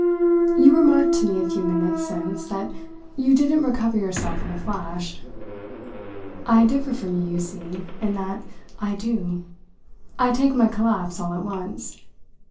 You remarked to me a few minutes since that you didn't recover yourself in a flash. I differ from you, you see, in that I do; I take my collapse all at once.